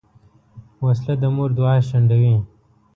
وسله د مور دعا شنډوي